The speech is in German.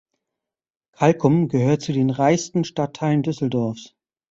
Kalkum gehört zu den reichsten Stadtteilen Düsseldorfs.